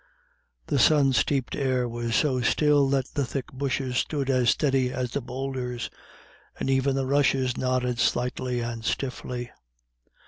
The sun steeped air was so still that the thick bushes stood as steady as the boulders, and even the rushes nodded slightly and stiffly.